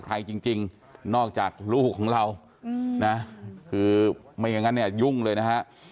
ใครจริงนอกจากลูกของเราแค่ยุ่งเลยนะค่ะ